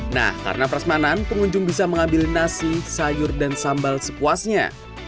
nah karena prasmanan pengunjung bisa mengambil nasi sayur dan sambal sepuasnya